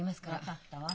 分かったわ。